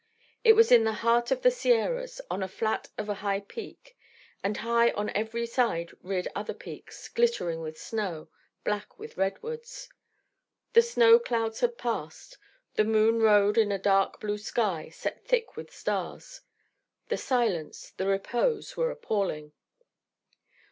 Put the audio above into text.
It was in the heart of the Sierras, on the flat of a peak; and high on every side reared other peaks, glittering with snow, black with redwoods. The snow clouds had passed. The moon rode in a dark blue sky set thick with stars. The silence, the repose, were appalling.